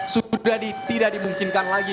sudah tidak dimungkinkan lagi